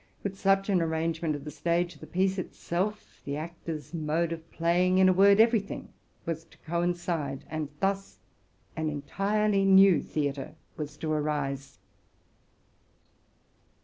With such an arrangement of the stage, the piece itself, the actors' mode of playing, in a word, every thing, was to coincide ; and thus an entirely new theatre was to arise.